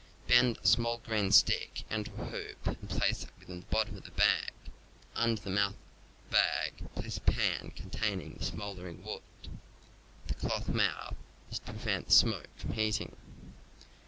Bend a small green stick into a hoop and place it within the bottom of the bag; under the mouth of the bag place a pan containing the smouldering wood (the cloth mouth is to prevent the skin from heating).